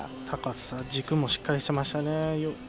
高さ、軸もしっかりしていましたね。